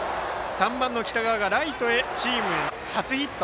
３番の北川がライトへ、チーム初ヒット。